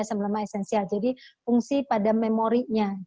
sel sel lemak esensial jadi fungsi pada memorinya